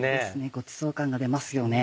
ごちそう感が出ますよね。